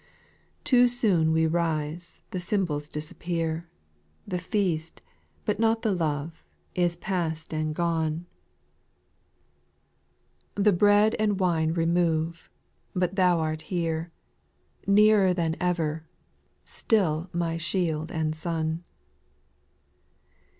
6. Too soon we rise ; the symbols disappear ; The feaat, but not the love, is pass'd and gone; 190 SPIRITUAL SONGS. The bread and wine remove, but Thou art here — Nearer than ever — still my shield and sun.